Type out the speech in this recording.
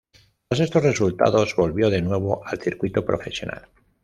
Tras estos resultados, volvió de nuevo al circuito profesional.